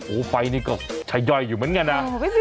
โอ้โหไฟนี่ก็ชะย่อยอยู่เหมือนกันนะ